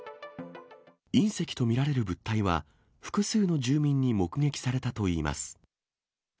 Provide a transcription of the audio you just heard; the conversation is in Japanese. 隕石と見られる物体は、複数の住民に目撃されたといいます。